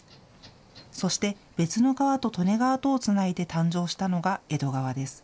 そして別の川と利根川とをつないで誕生したのが江戸川です。